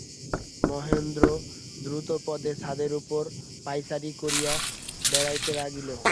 মহেন্দ্র দ্রুতপদে ছাদের উপর পায়চারি করিয়া বেড়াইতে লাগিল।